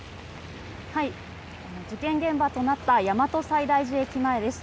事件現場となった大和西大寺駅前です。